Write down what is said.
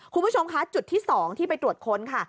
คุณผู้ชมคะจุดที่๒ที่ไปตรวจค้นค่ะ